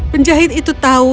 penjahit itu tahu